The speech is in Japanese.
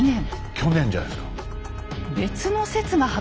去年じゃないですか。